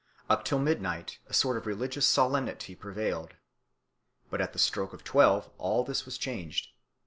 Up till midnight a sort of religious solemnity prevailed. But at the stroke of twelve all this was changed.